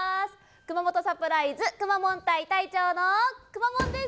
熊本サプライズくまモン隊隊長のくまモンです！